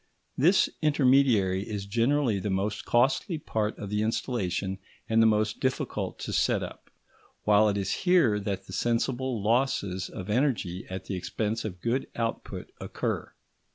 This intermediary is generally the most costly part of the installation and the most difficult to set up, while it is here that the sensible losses of energy at the expense of good output occur.